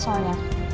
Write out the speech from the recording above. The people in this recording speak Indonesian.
gak lihat mbak